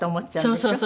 そうそうそう。